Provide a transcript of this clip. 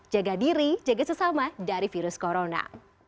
jaga diri jaga sesama dari virus corona